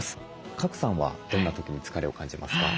賀来さんはどんな時に疲れを感じますか？